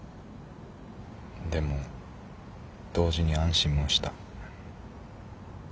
でも同時に安心もした。